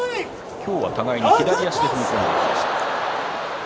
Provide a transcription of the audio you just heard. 今日は互いに左足で踏み込んでいきました。